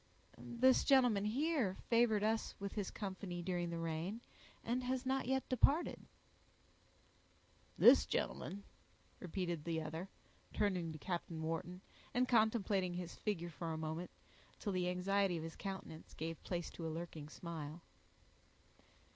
"This gentleman—here—favored us with his company during the rain, and has not yet departed." "This gentleman!" repeated the other, turning to Captain Wharton, and contemplating his figure for a moment until the anxiety of his countenance gave place to a lurking smile.